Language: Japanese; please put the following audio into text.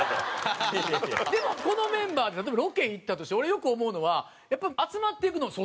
でもこのメンバーで例えばロケ行ったとして俺よく思うのはやっぱ集まっていくのはそっちやもん。